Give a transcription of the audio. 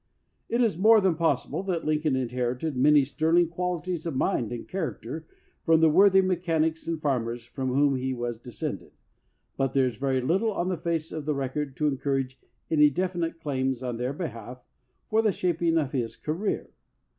It is more than possible that Lincoln inherited many sterling qualities of mind and character from the worthy mechanics and farmers from whom he was descended, but there is very little on the face of the record to encourage any definite claims on their behalf for the shaping of his career.